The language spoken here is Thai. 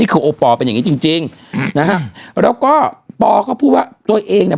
คือโอปอลเป็นอย่างงี้จริงจริงนะฮะแล้วก็ปอเขาพูดว่าตัวเองเนี่ย